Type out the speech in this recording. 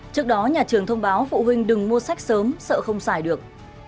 trước đó nhà trường thông báo phụ huynh đừng mua sách sớm sợ không xài được